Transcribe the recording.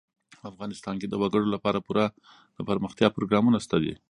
افغانستان کې د وګړي لپاره پوره دپرمختیا پروګرامونه شته دي.